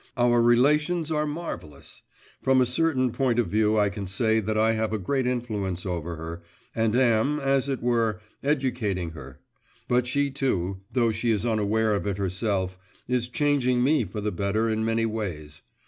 Our relations are marvellous! From a certain point of view I can say that I have a great influence over her, and am, as it were, educating her; but she too, though she is unaware of it herself, is changing me for the better in many ways.